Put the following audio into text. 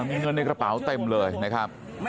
มีเงินในกระเป๋าเต็มเลยนะครับ